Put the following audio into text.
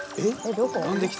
どこ？